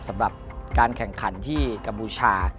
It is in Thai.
สำหรับการแข่งขันที่กัมพูชา